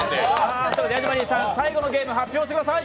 ヤジマリーさん、最後のゲーム発表してください。